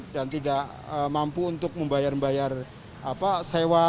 dan tidak mampu untuk membayar bayar sewa